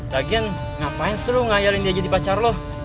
lagian ngapain selalu ngayalin dia jadi pacar lo